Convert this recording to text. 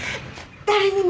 誰にも。